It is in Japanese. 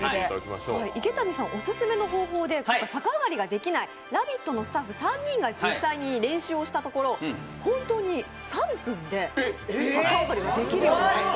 池谷さんおすすめの方法で逆上がりができない「ラヴィット！」のスタッフが実際に練習をしたところ、本当に３分で逆上がりができるようになりました。